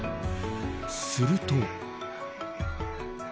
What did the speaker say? すると。